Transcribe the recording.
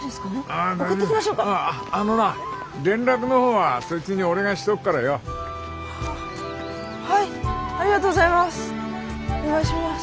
あっあのな連絡の方はそいつに俺がしとくからよ。ははいありがとうございます。